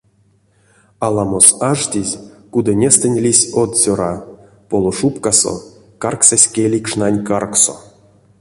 Аламос аштезь, кудынестэнть лиссь од цёра, полушубкасо, карксазь келей кшнань каркссо.